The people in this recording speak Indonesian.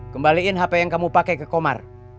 kembaliin hp yang kamu pakai ke komar